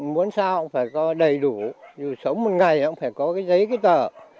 muốn sao cũng phải có đầy đủ dù sống một ngày thì cũng phải có cái giấy cái tờ